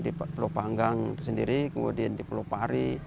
di pulau panggang itu sendiri kemudian di pulau pari